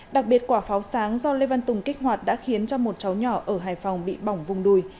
đặc biệt quả pháo sáng do lê văn tùng kích hoạt đã khiến cho một cháu nhỏ ở hải phòng bị bỏng vùng đùi